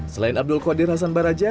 selain abdul qadir hasan baraja